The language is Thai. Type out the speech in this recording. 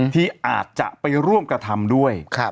ที่อาจจะไปร่วมกระทำด้วย